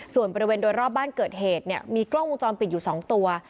ส่วนบริเวณโดยรอบบ้านเกิดเหตุเนี่ยมีกล้องวงจรปิดอยู่๒ตัว